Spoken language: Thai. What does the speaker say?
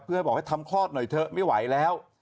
เพื่อให้บอกให้ทำคลอดหน่อยเถอะไม่ไหวแล้ว